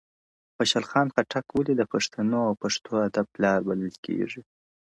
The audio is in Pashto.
• خوشحال خان خټک ولي د پښتنو او پښتو ادب پلار بلل کیږي؟ -